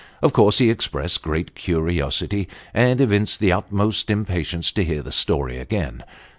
Of course he expressed great curiosity, and evinced the utmost impatience to hear the story again.